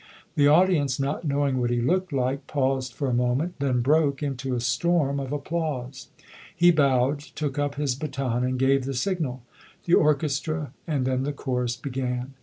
The audience, not knowing what he looked like, paused for a moment, then broke into a storm of applause. He bowed, took up his baton and gave the signal. The orchestra and then the chorus began.